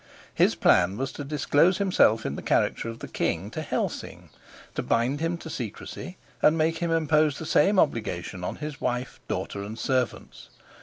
His plan was to disclose himself in the character of the king to Helsing, to bind him to secrecy, and make him impose the same obligation on his wife, daughter, and servants.